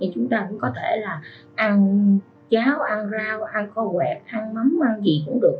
chúng ta cũng có thể là ăn cháo ăn rau ăn kho quẹt ăn mắm ăn gì cũng được